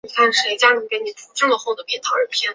黄毛乌头为毛茛科乌头属下的一个种。